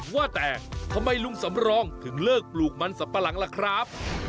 ว่าแต่ทำไมลุงสำรองถึงเลิกปลูกมันสัมปะหลังล่ะครับ